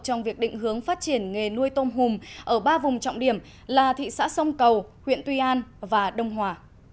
trong việc định hướng phát triển nghề nuôi tôm hùm ở ba vùng trọng điểm là thị xã sông cầu huyện tuy an và đông hòa